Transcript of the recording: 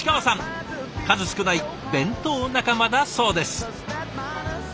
数少ない弁当仲間だそうです。